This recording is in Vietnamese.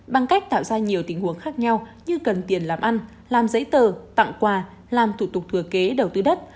bằng cách tạo ra nhiều tình huống khác nhau như cần tiền làm ăn làm giấy tờ tặng quà làm thủ tục thừa kế đầu tư đất